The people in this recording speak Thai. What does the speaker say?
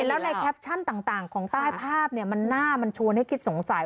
แล้วในแคปชั่นต่างของใต้ภาพมันหน้ามันชวนให้คิดสงสัย